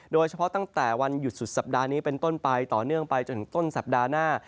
ตั้งแต่วันหยุดสุดสัปดาห์นี้เป็นต้นไปต่อเนื่องไปจนถึงต้นสัปดาห์หน้า